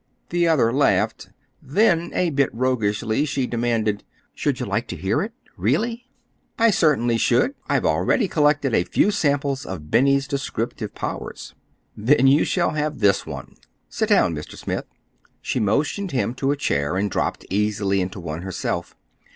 The other laughed. Then, a bit roguishly, she demanded:—"Should you like to hear it—really?" "I certainly should. I've already collected a few samples of Benny's descriptive powers." "Then you shall have this one. Sit down, Mr. Smith." She motioned him to a chair, and dropped easily into one herself.